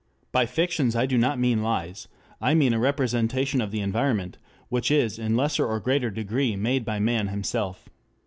By fictions I do not mean lies. I mean a representation of the environment which is in lesser or greater degree made by man himself.